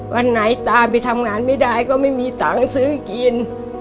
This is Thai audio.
วันไหนตาไปทำงานไม่ได้ก็ไม่มีตังค์ซื้อกิน